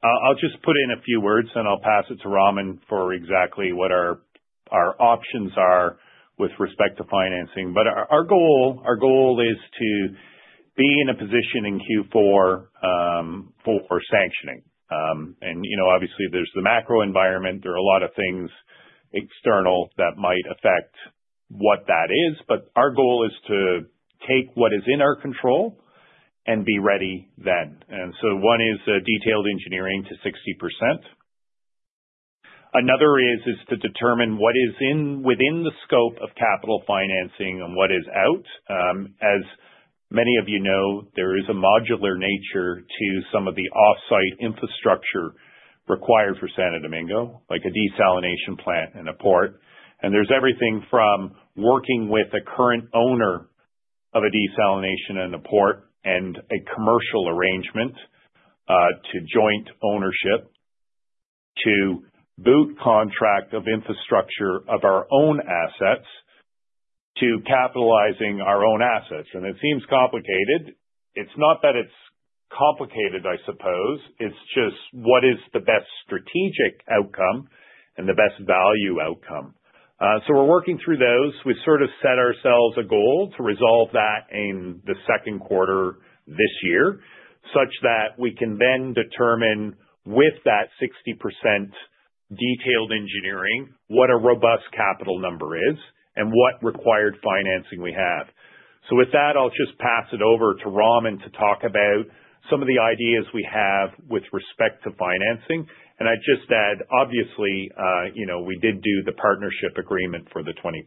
I'll just put in a few words, and I'll pass it to Raman for exactly what our options are with respect to financing. Our goal is to be in a position in Q4 for sanctioning. You know, obviously there's the macro environment. There are a lot of things external that might affect what that is. Our goal is to take what is in our control and be ready then. One is detailed engineering to 60%. Another is to determine what is in within the scope of capital financing and what is out. As many of you know, there is a modular nature to some of the off-site infrastructure required for Santo Domingo, like a desalination plant and a port. There's everything from working with a current owner of a desalination and a port and a commercial arrangement, to joint ownership, to boot contract of infrastructure of our own assets, to capitalizing our own assets. It seems complicated. It's not that it's complicated, I suppose. It's just what is the best strategic outcome and the best value outcome. We're working through those. We sort of set ourselves a goal to resolve that in the second quarter this year, such that we can then determine with that 60% detailed engineering, what a robust capital number is, and what required financing we have. With that, I'll just pass it over to Raman to talk about some of the ideas we have with respect to financing. I'd just add, obviously, we did do the partnership agreement for the 25%.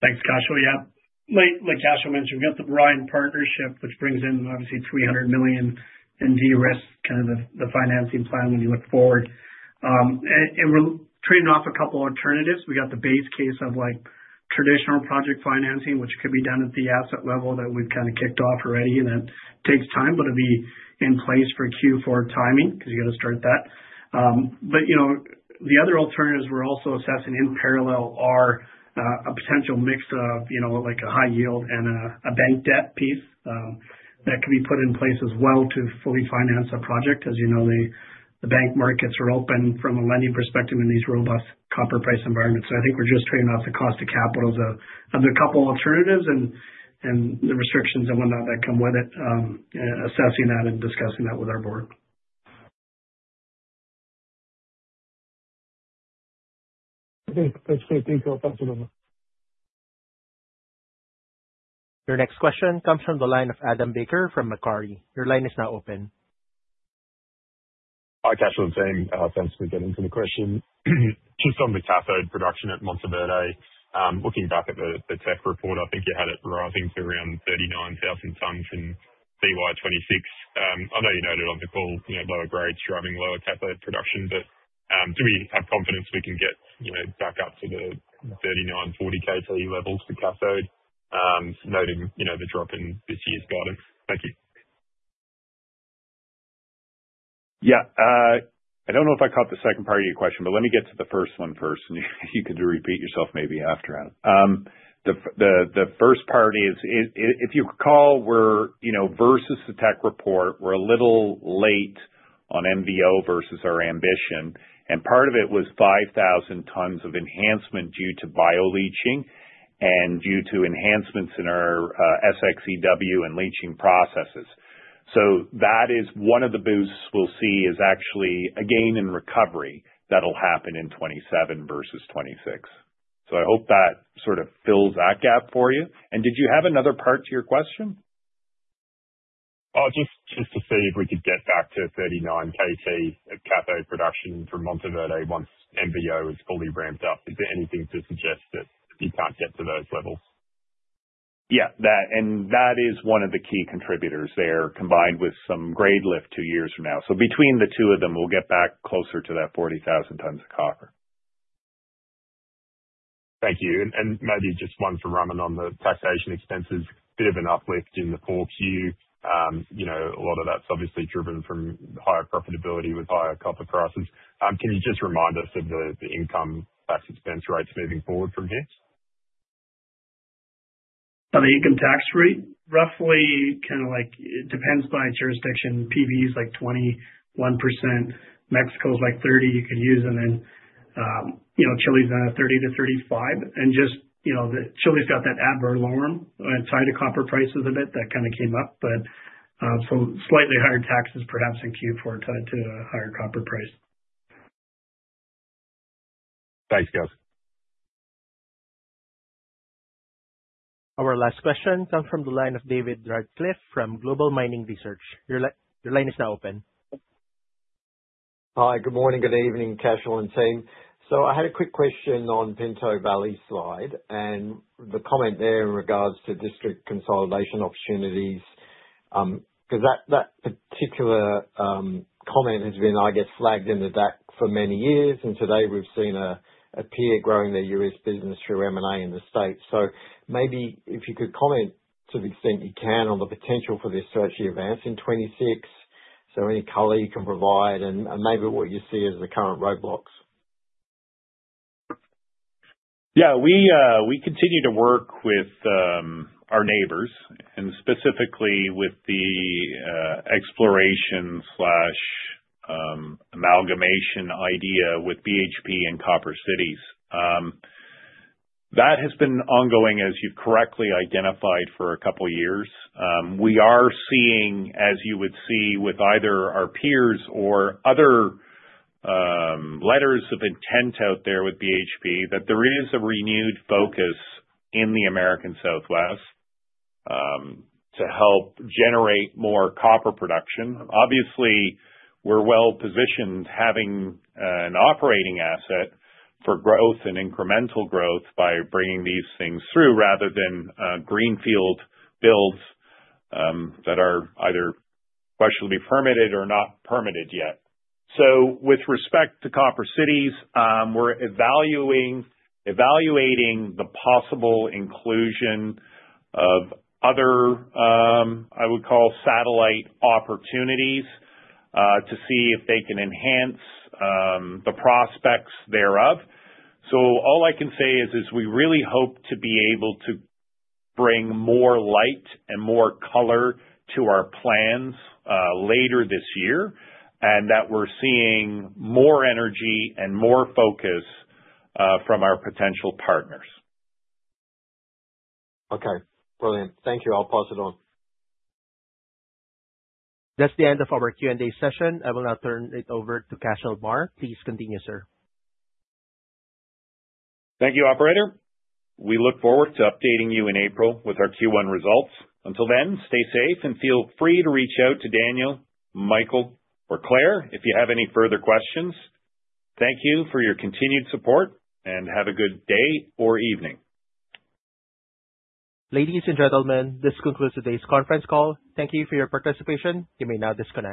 Thanks, Cash. Yeah. Like Cash mentioned, we got the Orion partnership, which brings in obviously $300 million in de-risk, kind of the financing plan when you look forward. We're trading off a couple alternatives. We got the base case of like traditional project financing, which could be done at the asset level that we've kicked off already, and that takes time, but it'll be in place for Q4 timing, 'cause you gotta start that. You know, the other alternatives we're also assessing in parallel are a potential mix of, you know, like a high yield and a bank debt piece that can be put in place as well to fully finance a project. As you know, the bank markets are open from a lending perspective in these robust copper price environments. I think we're just trading off the cost of capital as a, as a couple alternatives and the restrictions and whatnot that come with it, assessing that and discussing that with our board. Okay. That's great. Thank you. Pass it over. Your next question comes from the line of Adam Baker from Macquarie. Your line is now open. Hi, Cashel and team. Thanks for getting to the question. Just on the cathode production at Mantoverde. Looking back at the tech report, I think you had it rising to around 39,000 tons in CY 2026. I know you noted on the call, you know, lower grades driving lower cathode production, do we have confidence we can get, you know, back up to the 39, 40 KC levels for cathode, noting, you know, the drop in this year's guidance? Thank you. I don't know if I caught the second part of your question, but let me get to the first one first. You can repeat yourself maybe after, Adam. The first part is, if you recall, we're, you know, versus the tech report, we're a little late on MVO versus our ambition. Part of it was 5,000 tons of enhancement due to bioleaching and due to enhancements in our SX-EW and leaching processes. That is one of the boosts we'll see is actually a gain in recovery that'll happen in 2027 versus 2026. I hope that sort of fills that gap for you. Did you have another part to your question? Just to see if we could get back to 39 KC of cathode production for Mantoverde once MVO is fully ramped up. Is there anything to suggest that you can't get to those levels? That is one of the key contributors there, combined with some grade lift two years from now. Between the two of them, we'll get back closer to that 40,000 tons of copper. Thank you. Maybe just one for Raman on the taxation expenses. Bit of an uplift in the 4Q. You know, a lot of that's obviously driven from higher profitability with higher copper prices. Can you just remind us of the income tax expense rates moving forward from here? On the income tax rate? Roughly kinda like it depends by jurisdiction. PB is like 21%. Mexico is like 30% you could use. You know, Chile's 30-35%. Just, you know, the Chile's got that adverse law inside the copper prices a bit that kinda came up. Slightly higher taxes perhaps in Q4 tied to a higher copper price. Thanks, guys. Our last question comes from the line of David Radclyffe from Global Mining Research. Your line is now open. Hi. Good morning. Good evening, Cash and team. I had a quick question on Pinto Valley slide and the comment there in regards to district consolidation opportunities, 'cause that particular comment has been, flagged in the DAC for many years, and today we've seen a peer growing their U.S. business through M&A in the States. Maybe if you could comment to the extent you can on the potential for this to actually advance in 2026, any color you can provide and maybe what you see as the current roadblocks? We continue to work with our neighbors and specifically with the exploration slash amalgamation idea with BHP and Copper Cities. That has been ongoing, as you correctly identified, for two years. We are seeing, as you would see with either our peers or other letters of intent out there with BHP, that there is a renewed focus in the American Southwest to help generate more copper production. Obviously, we're well-positioned having an operating asset for growth and incremental growth by bringing these things through rather than greenfield builds that are either questionably permitted or not permitted yet. With respect to Copper Cities, we're evaluating the possible inclusion of other I would call satellite opportunities to see if they can enhance the prospects thereof. All I can say is we really hope to be able to bring more light and more color to our plans, later this year, and that we're seeing more energy and more focus, from our potential partners. Okay. Brilliant. Thank you. I'll pass it on. That's the end of our Q&A session. I will now turn it over to Cashel Meagher. Please continue, sir. Thank you, operator. We look forward to updating you in April with our Q1 results. Until then, stay safe and feel free to reach out to Daniel, Michael or Claire if you have any further questions. Thank you for your continued support and have a good day or evening. Ladies and gentlemen, this concludes today's conference call. Thank you for your participation. You may now disconnect.